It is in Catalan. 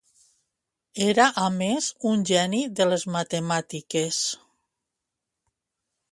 Era a més, un geni de les matemàtiques.